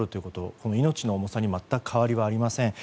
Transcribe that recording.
この命の重さに全く変わりはありません。